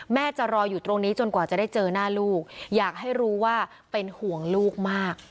จะรออยู่ตรงนี้จนกว่าจะได้เจอหน้าลูกอยากให้รู้ว่าเป็นห่วงลูกมาก